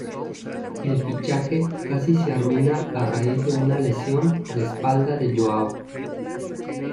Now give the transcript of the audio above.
El fichaje casi se arruina a raíz de una lesión de espalda de Joao.